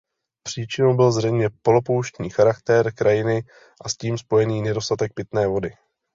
Příčinou byl zřejmě polopouštní charakter krajiny a s tím spojený nedostatek pitné vody.